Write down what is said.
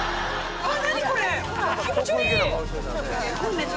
あっ！